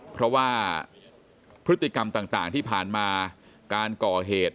เพราะว่าพฤติกรรมต่างที่ผ่านมาการก่อเหตุ